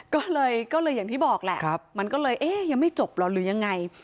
ก็เลยอย่างที่บอกแหละมันก็เลยเอ๊ะยังไม่จบเหรอหรือยังไง